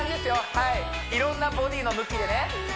はいいろんなボディーの向きでね